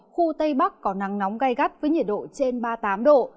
khu tây bắc có nắng nóng gai gắt với nhiệt độ trên ba mươi tám độ